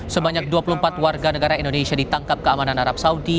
sebanyak dua puluh empat warga negara indonesia ditangkap keamanan arab saudi